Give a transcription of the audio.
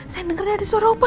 sayang denger nih ada suara opa